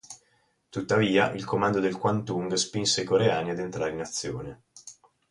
Tuttavia, il comando del Kwantung spinse i coreani ad entrare in azione.